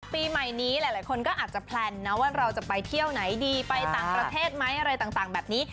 ปีใหม่นี้หลายคนก็อาจจะแพลนนะว่าเราจะไปเที่ยวไหนดีไปต่างประเทศไหมอะไรต่างแบบนี้